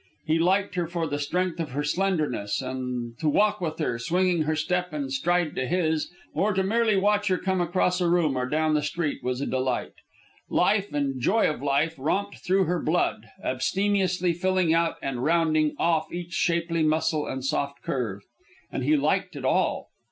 He liked her for the strength of her slenderness; and to walk with her, swinging her step and stride to his, or to merely watch her come across a room or down the street, was a delight. Life and the joy of life romped through her blood, abstemiously filling out and rounding off each shapely muscle and soft curve. And he liked it all.